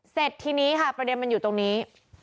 เสร็จทีนี้ค่ะประเด็นมันอยู่ตรงนี้